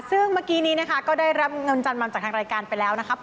ซึ่งเมื่อกี้นี้นะคะก็ได้รับเงินจำนำจากทางรายการไปแล้วนะครับ